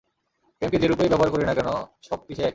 প্রেমকে যেরূপেই ব্যবহার করি না কেন, শক্তি সেই একই।